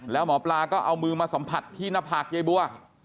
แล้วหมอปลาก็เอามือมาสัมผัสที่หน้าผากยายบัว